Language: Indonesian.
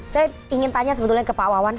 saya ingin tanya sebetulnya ke pak wawan